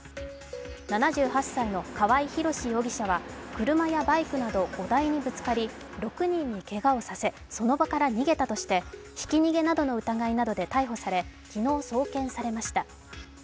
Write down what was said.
７８歳の川合広司容疑者は車やバイクなど５台にぶつかり６人にけがをさせ、その場から逃げたとして、ひき逃げの疑いなどで逮捕され、昨日、送検されました。